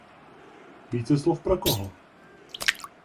Více slov pro koho?